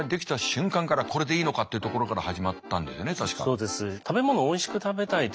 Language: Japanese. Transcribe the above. そうです。